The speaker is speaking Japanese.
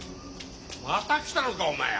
また来たのかお前は。